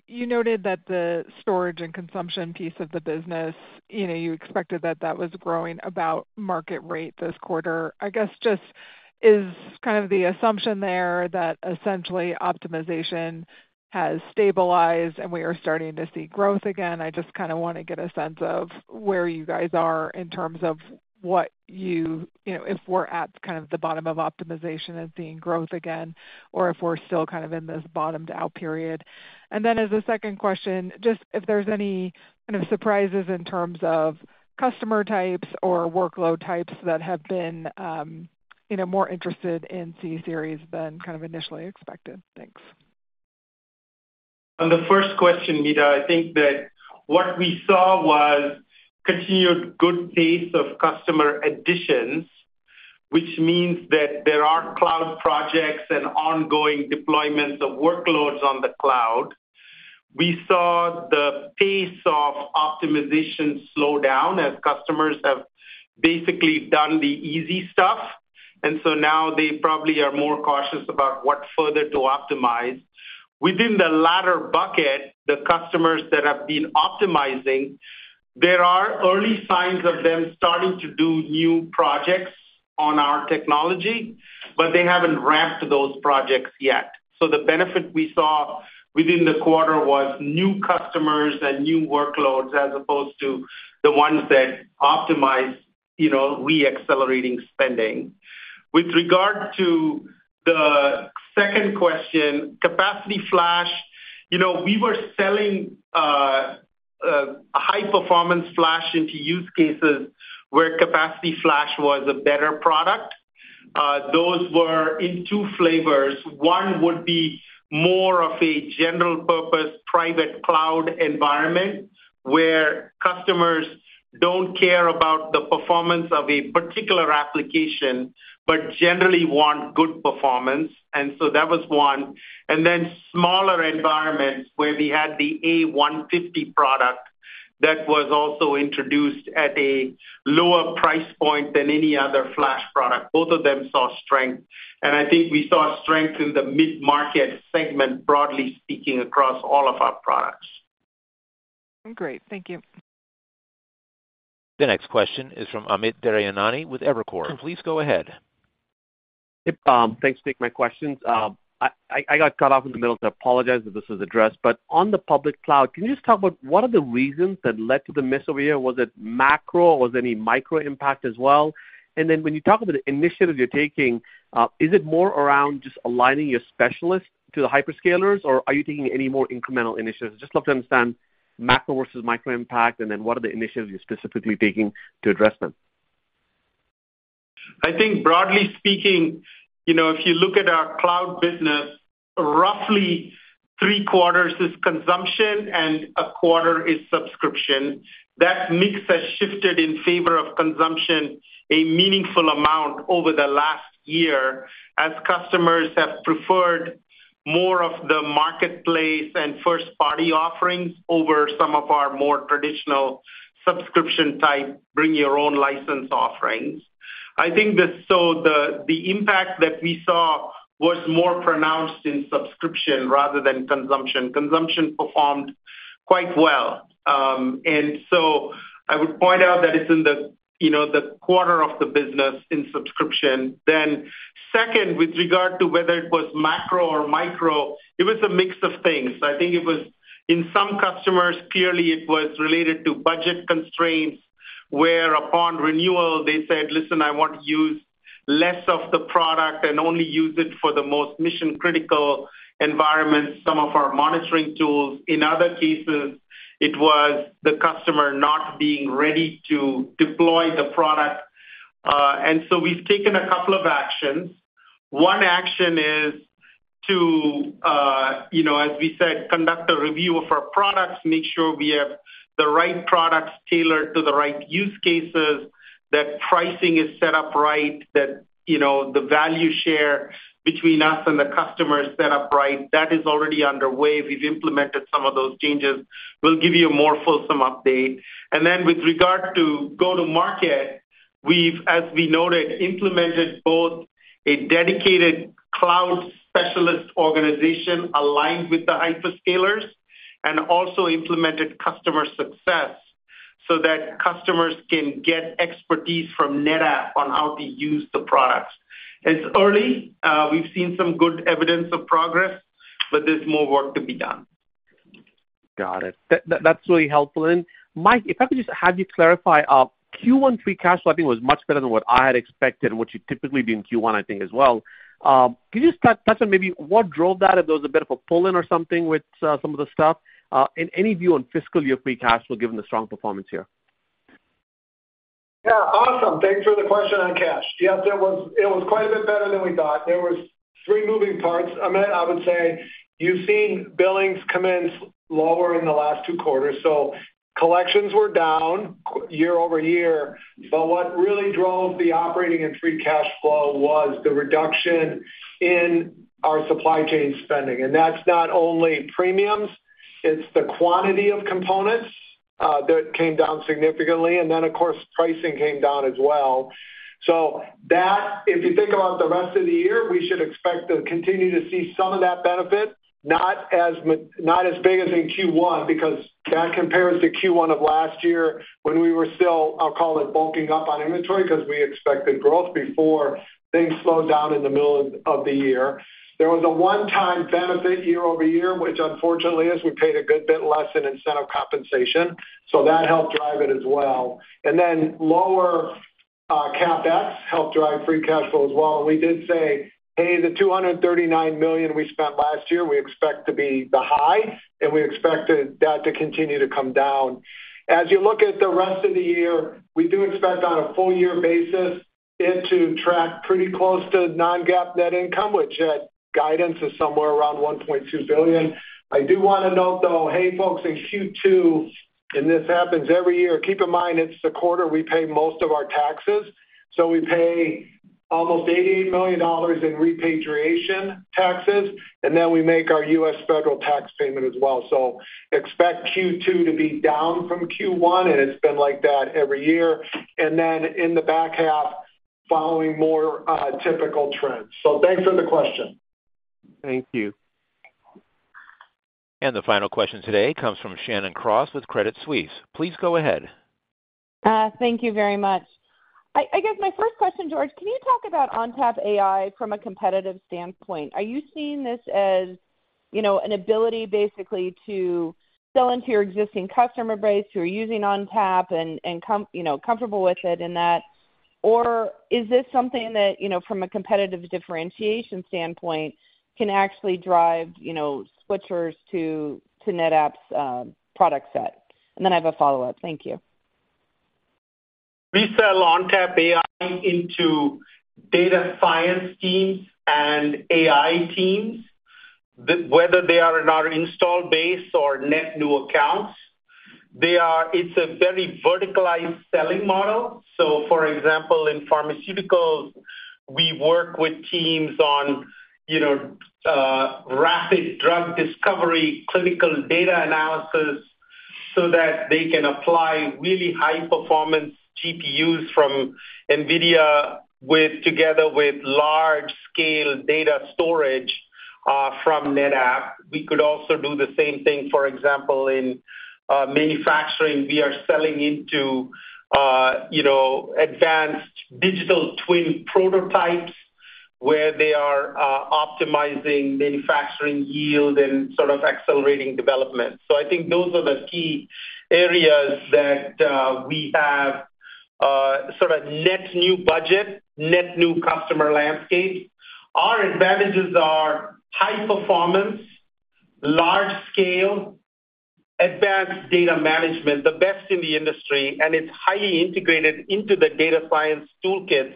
you noted that the storage and consumption piece of the business, you know, you expected that that was growing about market rate this quarter. I guess, just is kind of the assumption there that essentially optimization has stabilized, and we are starting to see growth again? I just kinda wanna get a sense of where you guys are in terms of what you. You know, if we're at kind of the bottom of optimization and seeing growth again, or if we're still kind of in this bottomed-out period. As a second question, just if there's any kind of surprises in terms of customer types or workload types that have been, you know, more interested in C-Series than kind of initially expected. Thanks. On the first question, Meta, I think that what we saw was continued good pace of customer additions, which means that there are cloud projects and ongoing deployments of workloads on the cloud. We saw the pace of optimization slow down as customers have basically done the easy stuff, and so now they probably are more cautious about what further to optimize. Within the latter bucket, the customers that have been optimizing, there are early signs of them starting to do new projects on our technology, but they haven't ramped those projects yet. The benefit we saw within the quarter was new customers and new workloads, as opposed to the ones that optimize, you know, reaccelerating spending. With regard to the second question, capacity flash. You know, we were selling high-performance flash into use cases where capacity flash was a better product. Those were in two flavors. One would be more of a general purpose, private cloud environment, where customers don't care about the performance of a particular application, but generally want good performance, and so that was one. Then smaller environments, where we had the AFF A150 product that was also introduced at a lower price point than any other flash product. Both of them saw strength, and I think we saw strength in the mid-market segment, broadly speaking, across all of our products. Great. Thank you. The next question is from Amit Daryanani with Evercore. Please go ahead. Thanks for taking my questions. I got cut off in the middle, so I apologize if this is addressed, but on the public cloud, can you just talk about what are the reasons that led to the miss over here? Was it macro, was there any micro impact as well? When you talk about the initiatives you're taking, is it more around just aligning your specialists to the hyperscalers, or are you taking any more incremental initiatives? Just love to understand macro versus micro impact, and then what are the initiatives you're specifically taking to address them. I think broadly speaking, you know, if you look at our cloud business, roughly 3/4 is consumption and 1/4 is subscription. That mix has shifted in favor of consumption a meaningful amount over the last 1 year, as customers have preferred more of the marketplace and first-party offerings over some of our more traditional subscription type, bring-your-own-license offerings. I think that so the, the impact that we saw was more pronounced in subscription rather than consumption. Consumption performed quite well. I would point out that it's in the, you know, the 1/4 of the business in subscription. Second, with regard to whether it was macro or micro, it was a mix of things. I think it was in some customers, clearly it was related to budget constraints, where upon renewal, they said, "Listen, I want to use less of the product and only use it for the most mission-critical environments," some of our monitoring tools. In other cases, it was the customer not being ready to deploy the product. We've taken a couple of actions. One action is to, you know, as we said, conduct a review of our products, make sure we have the right products tailored to the right use cases, that pricing is set up right, that, you know, the value share between us and the customer is set up right. That is already underway. We've implemented some of those changes. We'll give you a more fulsome update. Then with regard to go-to-market, we've, as we noted, implemented both a dedicated cloud specialist organization aligned with the hyperscalers, and also implemented customer success so that customers can get expertise from NetApp on how to use the products. It's early. We've seen some good evidence of progress, but there's more work to be done. Got it. That, that's really helpful. Mike, if I could just have you clarify, Q1 free cash flow, I think, was much better than what I had expected, which you typically do in Q1, I think, as well. Can you just touch, touch on maybe what drove that, if there was a bit of a pull-in or something with, some of the stuff? Any view on fiscal year free cash flow, given the strong performance here? Yeah. Awesome. Thanks for the question on cash. Yes, it was, it was quite a bit better than we thought. There was three moving parts. Amit, I would say you've seen billings come in lower in the last two quarters, so collections were down year-over-year. What really drove the operating and free cash flow was the reduction in our supply chain spending. That's not only premiums, it's the quantity of components that came down significantly, and then, of course, pricing came down as well. That, if you think about the rest of the year, we should expect to continue to see some of that benefit, not as not as big as in Q1, because that compares to Q1 of last year, when we were still, I'll call it, bulking up on inventory because we expected growth before things slowed down in the middle of the year. There was a one-time benefit year-over-year, which unfortunately is we paid a good bit less in incentive compensation, so that helped drive it as well. Then lower CapEx helped drive free cash flow as well. We did say, "Hey, the $239 million we spent last year, we expect to be the high, and we expected that to continue to come down." As you look at the rest of the year, we do expect, on a full year basis, it to track pretty close to Non-GAAP net income, which that guidance is somewhere around $1.2 billion. I do wanna note, though, hey, folks, in Q2, and this happens every year, keep in mind, it's the quarter we pay most of our taxes, so we pay almost $88 million in repatriation taxes, and then we make our U.S. federal tax payment as well. Expect Q2 to be down from Q1, and it's been like that every year. Then in the back half, following more typical trends. Thanks for the question. Thank you. The final question today comes from Shannon Cross with Credit Suisse. Please go ahead. Thank you very much. I guess my first question, George, can you talk about ONTAP AI from a competitive standpoint? Are you seeing this as, you know, an ability basically to sell into your existing customer base who are using ONTAP and, you know, comfortable with it in that? Or is this something that, you know, from a competitive differentiation standpoint, can actually drive, you know, switchers to, to NetApp's product set? Then I have a follow-up. Thank you. We sell ONTAP AI into data science teams and AI teams. Whether they are in our install base or net new accounts, they are. It's a very verticalized selling model. For example, in pharmaceuticals, we work with teams on, you know, rapid drug discovery, clinical data analysis, so that they can apply really high-performance GPUs from NVIDIA together with large-scale data storage from NetApp. We could also do the same thing, for example, in manufacturing. We are selling into, you know, advanced digital twin prototypes, where they are optimizing manufacturing yield and sort of accelerating development. I think those are the key areas that we have sort of net new budget, net new customer landscape. Our advantages are high performance, large scale, advanced data management, the best in the industry, and it's highly integrated into the data science toolkits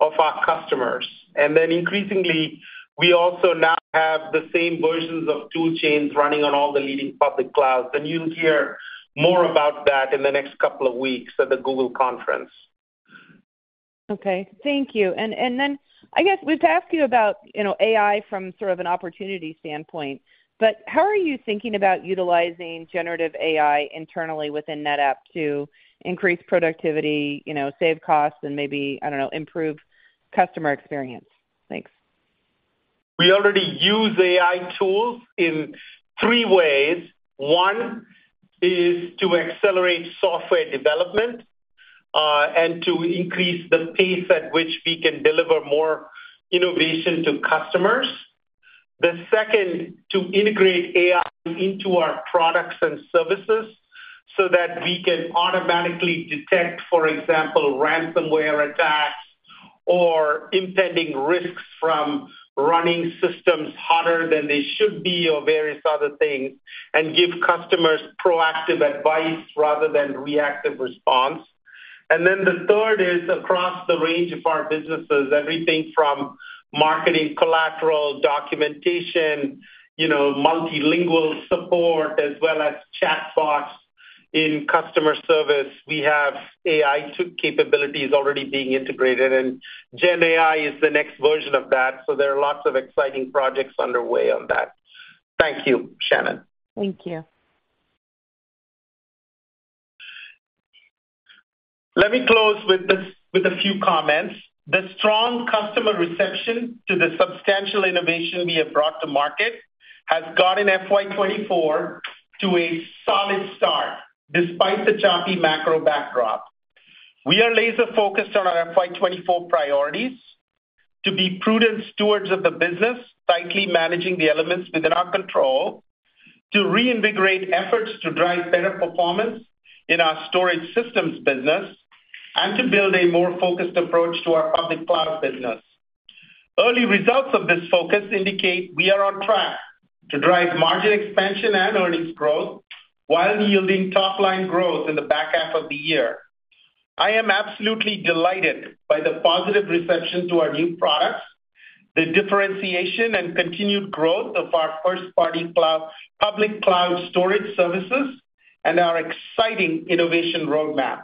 of our customers. Then increasingly, we also now have the same versions of tool chains running on all the leading public clouds. You'll hear more about that in the next couple of weeks at the Google conference. Okay. Thank you. Then, I guess we've asked you about, you know, AI from sort of an opportunity standpoint, but how are you thinking about utilizing generative AI internally within NetApp to increase productivity, you know, save costs, and maybe, I don't know, improve customer experience? Thanks. We already use AI tools in three ways. One is to accelerate software development, and to increase the pace at which we can deliver more innovation to customers. The second, to integrate AI into our products and services so that we can automatically detect, for example, ransomware attacks or impending risks from running systems hotter than they should be or various other things, and give customers proactive advice rather than reactive response. The third is across the range of our businesses, everything from marketing collateral, documentation, you know, multilingual support, as well as chatbots. In customer service, we have AI capabilities already being integrated, and GenAI is the next version of that, so there are lots of exciting projects underway on that. Thank you, Shannon. Thank you. Let me close with this with a few comments. The strong customer reception to the substantial innovation we have brought to market has gotten FY 2024 to a solid start, despite the choppy macro backdrop. We are laser focused on our FY 2024 priorities: to be prudent stewards of the business, tightly managing the elements within our control, to reinvigorate efforts to drive better performance in our storage systems business, and to build a more focused approach to our public cloud business. Early results of this focus indicate we are on track to drive margin expansion and earnings growth while yielding top-line growth in the back half of the year. I am absolutely delighted by the positive reception to our new products, the differentiation and continued growth of our first-party cloud public cloud storage services, and our exciting innovation roadmap.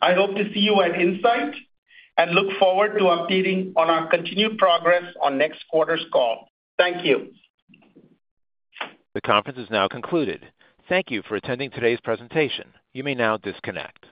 I hope to see you at Insight, and look forward to updating on our continued progress on next quarter's call. Thank you. The conference is now concluded. Thank you for attending today's presentation. You may now disconnect.